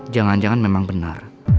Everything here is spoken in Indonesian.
jangan jangan memang benar